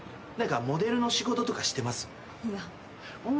何かモデルの仕事とかしてます？